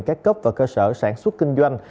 các cấp và cơ sở sản xuất kinh doanh